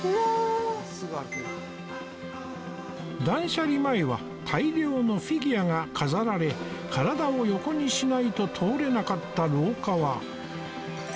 断捨離前は大量のフィギュアが飾られ体を横にしないと通れなかった廊下は